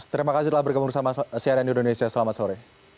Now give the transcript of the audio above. terima kasih telah bergabung bersama cnn indonesia selamat sore